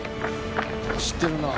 走ってるな。